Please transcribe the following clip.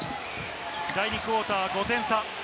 第２クオーター５点差。